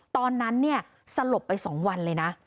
ตอนนั้นสลบไป๒วันเลยนะ